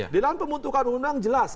di dalam pembentukan undang jelas